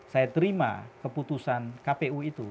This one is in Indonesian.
saya terima keputusan kpu itu